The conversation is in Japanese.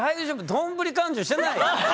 丼勘定してない？